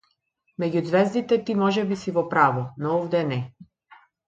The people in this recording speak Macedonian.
Меѓу ѕвездите ти можеби си во право, но овде не.